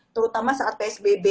terutama saat psbb